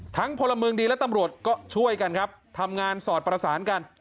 พลเมืองดีและตำรวจก็ช่วยกันครับทำงานสอดประสานกัน